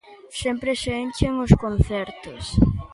Sempre se enchen os concertos.